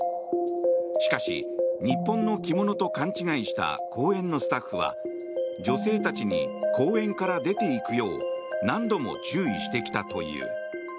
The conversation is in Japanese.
しかし、日本の着物と勘違いした公園のスタッフは女性たちに公園から出ていくよう何度も注意してきたという。